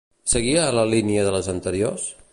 Seguia la línia de les anteriors?